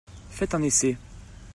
Faites un essai.